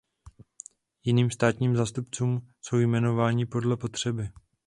Jiným státním zástupcům jsou jmenováni podle potřeby.